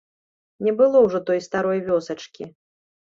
Не было ўжо той старой вёсачкі.